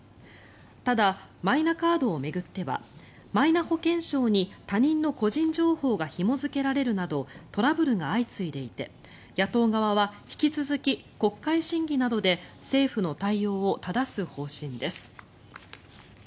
ただ、マイナカードを巡ってはマイナ保険証に他人の個人情報がひも付けられるなどトラブルが相次いでいて野党側は引き続き国会審議などで政府の対応をただす方針です。